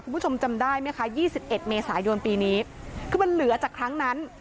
คุณผู้ชมจำได้ไหมคะยี่สิบเอ็ดเมษายนปีนี้คือมันเหลือจากครั้งนั้น